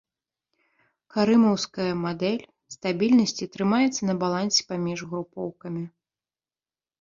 Карымаўская мадэль стабільнасці трымаецца на балансе паміж групоўкамі.